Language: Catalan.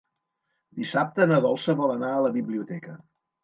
Dissabte na Dolça vol anar a la biblioteca.